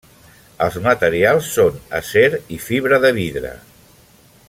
Els materials són acer i fibra de vidre.